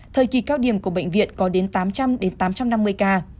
thời kỳ cao điểm của bệnh viện có đến tám trăm linh tám trăm năm mươi ca